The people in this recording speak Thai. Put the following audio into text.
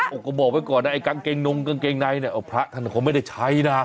ก็บอกไว้ก่อนนะไอกางเกงนงกางเกงในเนี่ยพระท่านคงไม่ได้ใช้นะ